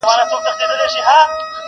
د هیله مندۍ په دې ارزښمنه ډالۍ نازولی وم.!